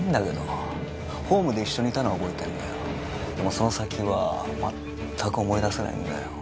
その先は全く思い出せないんだよ